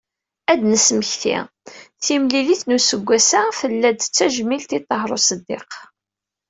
Ad d-nesmekti, timlilit n useggas-a, tella-d d tajmilt i Ṭaher Uṣeddiq.